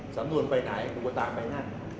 สำนวนไปไหนคุณตามไปงั้น